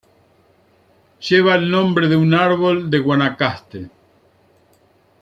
Lleva el nombre de un árbol de Guanacaste.